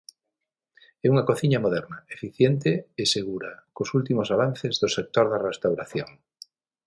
É unha cociña moderna, eficiente e segura, cos últimos avances do sector da restauración.